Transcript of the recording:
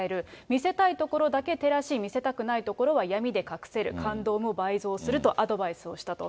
見せたい所だけ照らし、見せたくないところは闇で隠せる、感動も倍増するとアドバイスをしたと。